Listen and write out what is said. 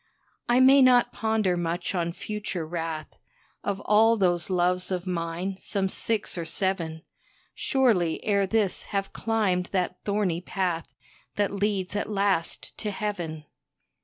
I may not ponder much on future wrath; Of all those loves of mine, some six or seven, Surely ere this have climbed that thorny path That leads at last to Heaven.